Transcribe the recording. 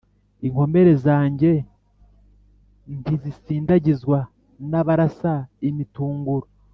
Inkomere zanjye ntizisindagizwa n’abarasa imitunguro.